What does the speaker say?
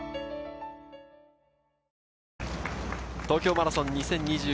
東京マラソン２０２１。